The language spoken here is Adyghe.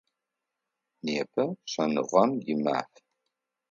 Непэ Шӏэныгъэм и Маф.